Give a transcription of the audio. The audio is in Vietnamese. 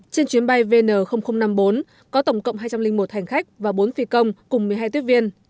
trên chuyến bay vn năm mươi bốn có tổng cộng hai trăm linh một hành khách và bốn phi công cùng một mươi hai tiếp viên